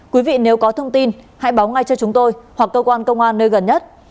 quý vị nếu có thông tin hãy báo ngay cho chúng tôi hoặc cơ quan công an nơi gần nhất